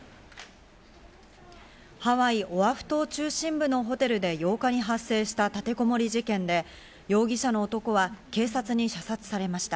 ハワイ・オアフ島中心部のホテルで８日に発生した立てこもり事件で、容疑者の男は警察に射殺されました。